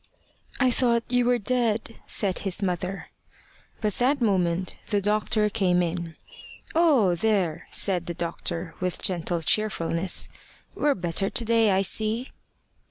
"I thought you were dead," said his mother. But that moment the doctor came in. "Oh! there!" said the doctor with gentle cheerfulness; "we're better to day, I see."